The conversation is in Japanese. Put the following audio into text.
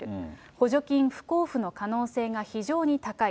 補助金不交付の可能性が非常に高い。